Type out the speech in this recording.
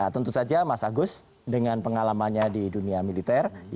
tentu saja mas agus dengan pengalamannya di dunia militer